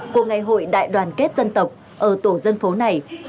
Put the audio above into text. của ngày hội đại đoàn kết dân tộc ở tổ dân phố này